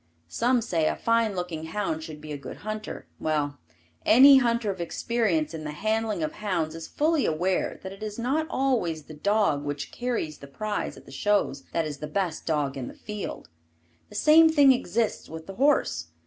Some say a fine looking hound should be a good hunter. Well, any hunter of experience in the handling of hounds is fully aware that it is not always the dog which carries the prizes at the shows that is the best dog in the field. The same thing exists with the horse.